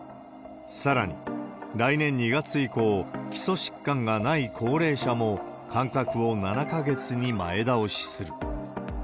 さらに、来年２月以降、基礎疾患がない高齢者も間隔を７か月に前倒しする。